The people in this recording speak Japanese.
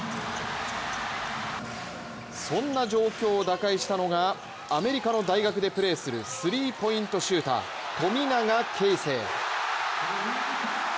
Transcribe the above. そんな状況を打開したのがアメリカの大学でプレーするスリーポイントシューター・富永啓生。